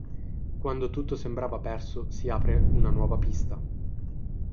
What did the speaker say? Quando tutto sembra perso si apre una nuova pista.